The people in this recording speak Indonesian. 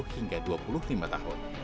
hingga dua puluh lima tahun